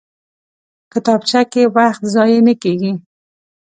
کتابچه کې وخت ضایع نه کېږي